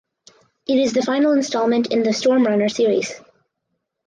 It is the final installment in the "Storm Runner" series.